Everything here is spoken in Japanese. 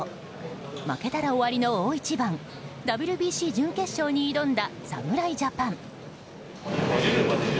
負けたら終わりの大一番ＷＢＣ準決勝に挑んだ侍ジャパン。